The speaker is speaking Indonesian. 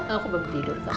aku belum tidur